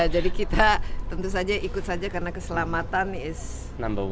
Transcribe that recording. jadi kita tentu saja ikut saja karena keselamatan is number one